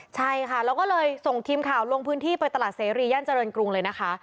ใช่ค่ะเราก็เลยส่งทีมข่าวลงพื้นที่ไปตลาดเสรีย่านเจริญกรุงเลยนะคะ